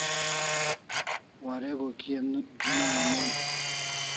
Warego kia no'an Mon?